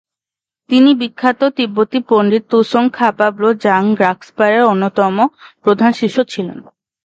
তিনি বিখ্যাত তিব্বতী পণ্ডিত ত্সোং-খা-পা-ব্লো-ব্জাং-গ্রাগ্স-পার অন্যতম প্রধান শিষ্য ছিলেন।